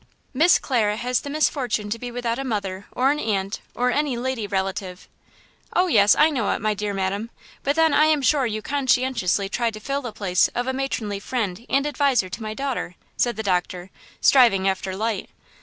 "Miss Clara has the misfortune to be without a mother, or an aunt, or any lady relative–" "Oh, yes, I know it, my dear madam; but then I am sure you conscientiously try to fill the place of a matronly friend and advisor to my daughter," said the doctor, striving after light.